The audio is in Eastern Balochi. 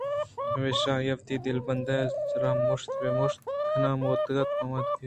پمیشا آئیءَ وتی دلبندءِ را مُشت پہ مُشت کنانءَموٛتکءُ پُوّانک کُت